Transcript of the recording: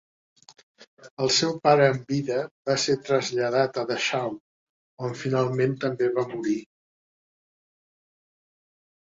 El seu pare en vida va ser traslladat a Dachau on finalment també va morir.